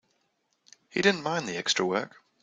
He didn't mind the extra work.